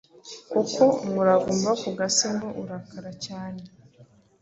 kuko umuravumba wo ku gasi ngo urakara cyane